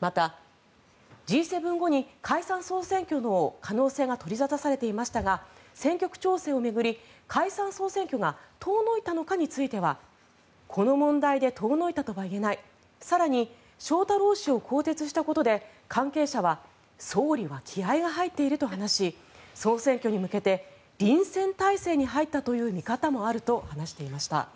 また、Ｇ７後に解散・総選挙の可能性が取り沙汰されていましたが選挙区調整を巡り解散・総選挙が遠のいたのかについてはこの問題で遠のいたとは言えない更に、翔太郎氏を更迭したことで関係者は総理は気合が入っていると話し総選挙に向けて臨戦態勢に入ったという見方もあると話していました。